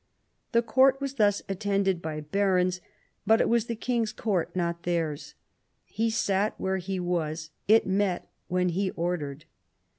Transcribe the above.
The court was thus attended by barons, but it was the king's court, not theirs. It sat where he was. It met when he ordered.